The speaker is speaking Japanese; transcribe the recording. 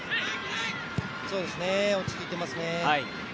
落ちついていますね。